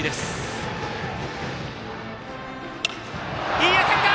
いい当たりだ！